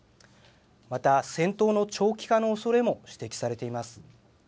また、戦闘の長期化のおそれも指摘されています。